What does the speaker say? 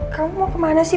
kamu mau kemana sih